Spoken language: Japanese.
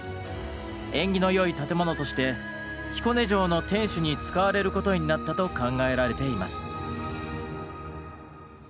縁起の良い建物として彦根城の天守に使われることになったと考えられています。